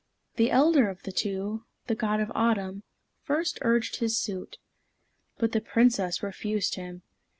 The elder of the two, the God of Autumn, first urged his suit. But the Princess refused him.